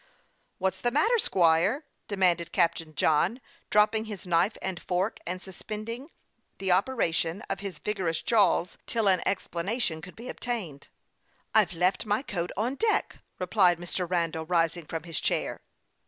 "What's the matter, squire?" demanded Captain John, dropping his knife and fork, and suspending *he operation of his vigorous jaws till an explana tion could be obtained. " I've left my coat on deck," replied Mr. Randall, rising from his chair.